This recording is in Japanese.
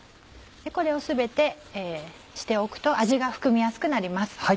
これを全てしておくと味が含みやすくなります。